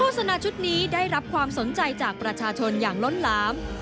สนาชุดนี้ได้รับความสนใจจากประชาชนอย่างล้นหลาม